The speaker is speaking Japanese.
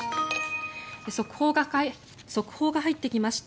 速報が入ってきました。